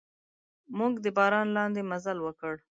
موږ د باران لاندې مزل وکړ.